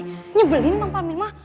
masih nyebelin bang parmin mah